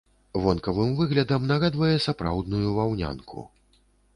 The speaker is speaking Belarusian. Вонкавым выглядам нагадвае сапраўдную ваўнянку.